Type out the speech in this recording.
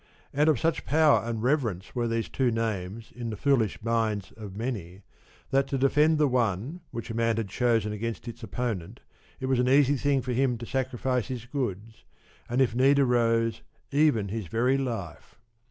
And of such power and reverence were these two names in the foolish minds of many, that to defend the one which a man had chosen against its opponent it was an easy thing for him to sacrifice his goods and if need arose even his very life.